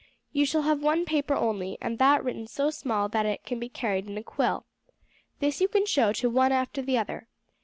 You shall have one paper only, and that written so small that it can be carried in a quill. This you can show to one after the other.